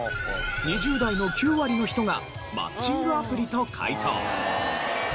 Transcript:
２０代の９割の人がマッチングアプリと回答。